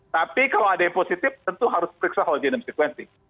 tapi kalau ada yang positif tentu harus periksa whole genome sequencing